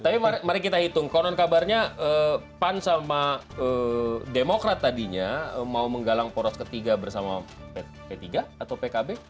tapi mari kita hitung konon kabarnya pan sama demokrat tadinya mau menggalang poros ketiga bersama p tiga atau pkb